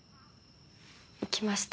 行きました。